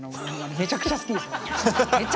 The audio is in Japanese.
めちゃくちゃ好きです。